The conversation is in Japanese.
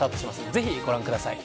ぜひご覧ください。